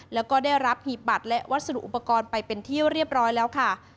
แล้วก็ได้รับหีบบัตรและวัสดุอุปกรณ์ไปเป็นที่เรียบร้อยแล้วค่ะ